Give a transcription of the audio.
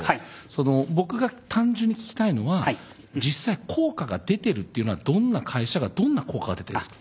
その僕が単純に聞きたいのは実際効果が出てるっていうのはどんな会社がどんな効果が出てるんですか？